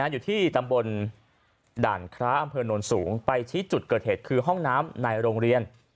อยู่ที่ตำบลด่านคล้าอำเภอโน้นสูงไปชี้จุดเกิดเหตุคือห้องน้ำในโรงเรียน